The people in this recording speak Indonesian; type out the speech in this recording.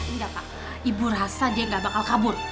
enggak pak ibu rasa dia nggak bakal kabur